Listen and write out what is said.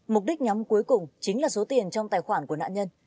mục đích nhắm cuối cùng chính là số tiền trong tài khoản của nạn nhân